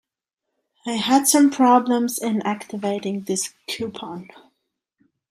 I had some problems in activating this coupon.